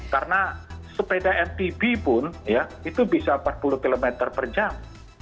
karena sepeda mtb pun itu bisa empat puluh kilometer per jam